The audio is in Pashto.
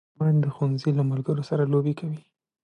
ماشومان د ښوونځي له ملګرو سره لوبې کوي